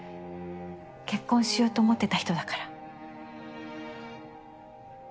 結婚しようと思ってた人だから。